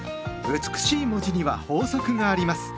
美しい文字には法則があります。